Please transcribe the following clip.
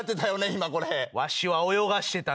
今これ。